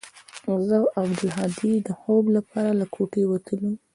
زه او عبدالهادي د خوب لپاره له كوټې وتلو.